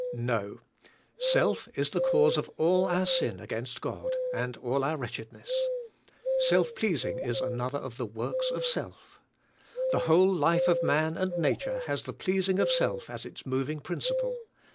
No. Self is the cause of all our sin against God, and all our wretch edness. Self pleasing is another of the works of self. The whole life of man and nature has the pleasing of self as its moving principle.